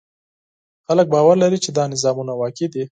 خلک باور لري چې دا نظمونه واقعي دي.